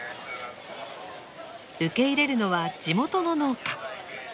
受け入れるのは地元の農家。